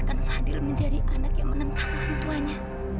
sampai jumpa di video selanjutnya